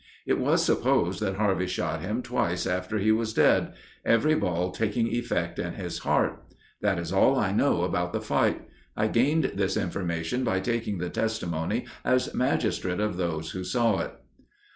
It was supposed that Harvey shot him twice after he was dead, every ball taking effect in his heart. That is all I know about the fight. I gained this information by taking the testimony as magistrate of those who saw it.